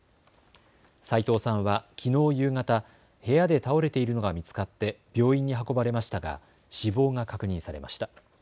齋藤さんはきのう夕方、部屋で倒れているのが見つかって病院に運ばれましたが死亡が確認されました。